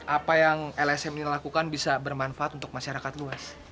apa yang lsm ini lakukan bisa bermanfaat untuk masyarakat luas